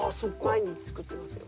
毎日作ってますよ。